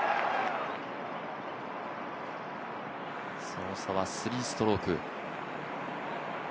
その差は３ストローク。